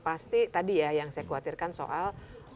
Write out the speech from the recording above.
pasti tadi ya yang saya khawatirkan soal